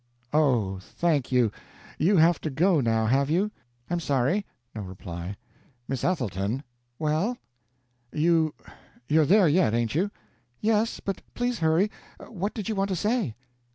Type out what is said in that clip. "Oh, thank you! You have to go, now, have you?" "I'm sorry." No reply. "Miss Ethelton!" "Well?" "You you're there yet, ain't you?" "Yes; but please hurry. What did you want to say?"